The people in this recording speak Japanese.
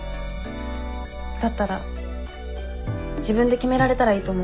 だったら自分で決められたらいいと思うんです。